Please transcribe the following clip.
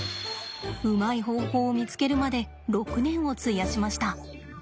うまい方法を見つけるまで６年を費やしました。